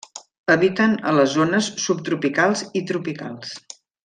Habiten a les zones subtropicals i tropicals.